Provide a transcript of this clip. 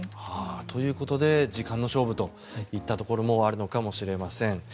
ということで時間の勝負といったところもあるのかもしれません。